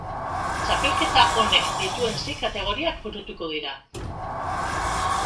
Txapelketa honek dituen sei kategoriak burutuko dira.